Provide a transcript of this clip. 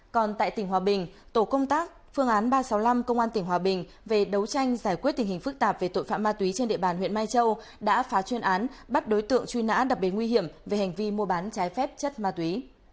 còn tại tỉnh hòa bình tổ công tác phương án ba trăm sáu mươi năm công an tỉnh hòa bình về đấu tranh giải quyết tình hình phức tạp về tội phạm ma túy trên địa bàn huyện mai châu đã phá chuyên án bắt đối tượng truy nã đặc biệt nguy hiểm về hành vi mua bán trái phép chất ma túy